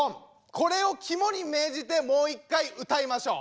これを肝に銘じてもう一回歌いましょう。